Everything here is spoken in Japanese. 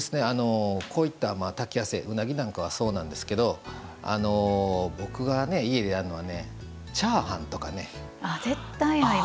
こういったたきやすい、うなぎなんかはそうなんですけど僕が家でやるのはチャーハンとかね。